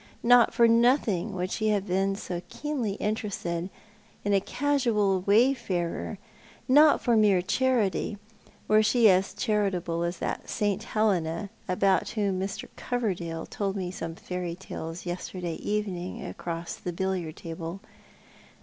Not for nothing would she have been so keenly interested in a casual wayfarer — not for mere charity, were she as charitable as that St. Helena, about whom Mr. Coverdale told me some fairy tales yesterday evening, across the billiard table.